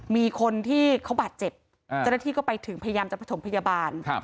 มีคนที่เขาบาดเจ็บเจ้าหน้าที่ก็ไปถึงพยายามจะประถมพยาบาล